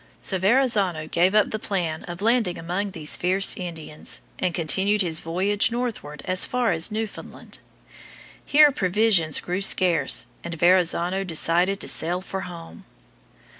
So Verrazzano gave up the plan of landing among these fierce Indians, and continued his voyage northward as far as Newfoundland. Here provisions grew scarce, and Verrazzano decided to sail for home.